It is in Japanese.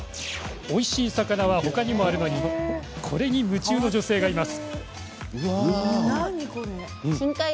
おいしい魚はほかにもあるのにこれに夢中の女性がいます。